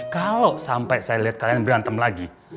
kalo sampai saya liat kalian berantem lagi